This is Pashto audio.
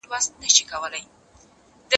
زه به سبا د ليکلو تمرين کوم!!